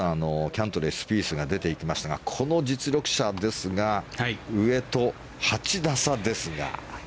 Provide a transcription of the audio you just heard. キャントレー、スピースが出ていきましたがこの実力者ですが上と８打差ですが。